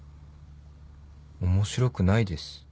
面白くないです。